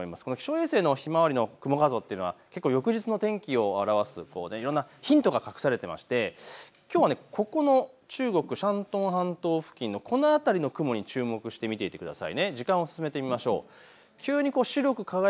気象衛星の雲画像というのは翌日の天気を表すヒントが隠されていましてきょうは中国、山東半島付近のこの辺りの雲に注目して見てください。